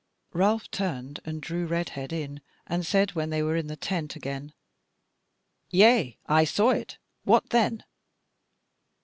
Ralph turned and drew Redhead in, and said when they were in the tent again: "Yea, I saw it: what then?"